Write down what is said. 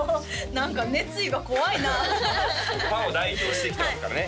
何か熱意が怖いなファンを代表して来てますからね